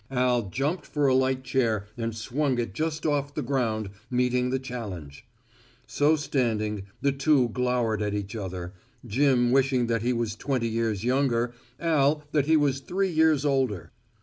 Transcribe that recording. Al jumped for a light chair and swung it just off the ground, meeting the challenge. So standing, the two glowered at each other Jim wishing that he was twenty years younger, Al that he was three years older.